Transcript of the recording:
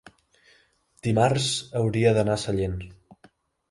Dimarts hauria d'anar a Sellent.